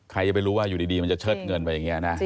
ใครจะไปรู้ว่าอยู่ดีมันจะเชิดเงินไปอย่างนี้นะ